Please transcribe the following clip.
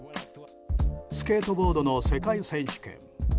スケートボードの世界選手権。